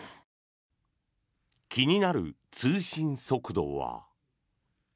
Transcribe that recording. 気になる通信速度は。